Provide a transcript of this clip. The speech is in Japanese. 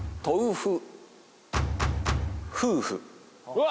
うわ！